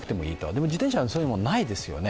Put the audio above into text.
でも、自転車はそういうのがないですね。